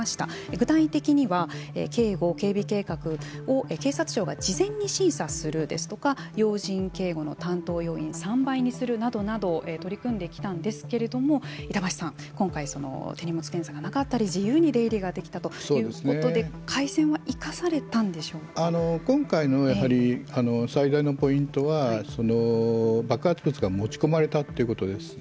具体的には警護・警備計画を警察庁が事前に審査するですとか要人警護の担当要員を３倍にするなどなど取り組んできたんですけれども板橋さん、今回手荷物検査がなかったり自由に出入りができたということで今回のやはり最大のポイントは爆発物が持ち込まれたということです。